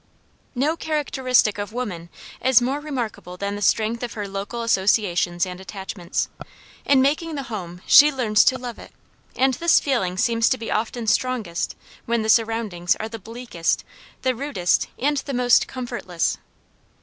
No characteristic of woman is more remarkable than the strength of her local associations and attachments. In making the home she learns to love it, and this feeling seems to be often strongest when the surroundings are the bleakest, the rudest, and the most comfortless.